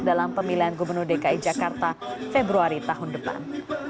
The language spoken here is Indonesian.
dalam pemilihan gubernur dki jakarta februari tahun depan